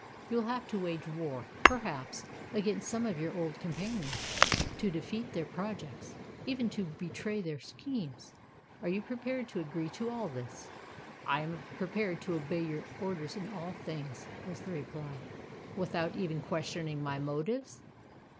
You will have to wage war, perhaps, against some of your old companions—to defeat their projects—even to betray their schemes. Are you prepared to agree to all this?" "I am prepared to obey your orders in all things," was the reply. "Without even questioning my motives?"